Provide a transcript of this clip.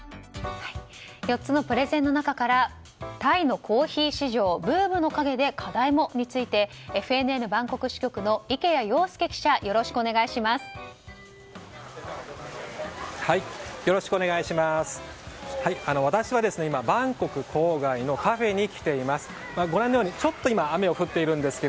４つのプレゼンの中からタイのコーヒー市場ブームの陰で課題もについてＦＮＮバンコク支局の池谷庸介記者よろしくお願いします。